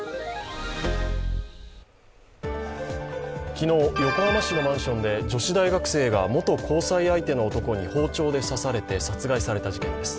昨日、横浜市のマンションで女子大学生が元交際相手の男に包丁で刺されて殺害された事件です。